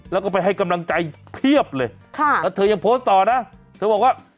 แล้วก็ไปให้กำลังใจเพียบเลยค่ะแล้วเธอยังโพสต์ต่อนะเธอบอกว่า